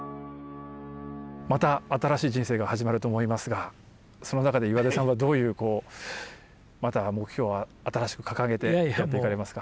また新しい人生が始まると思いますがその中で岩出さんはどういう目標を新しく掲げてやっていかれますか？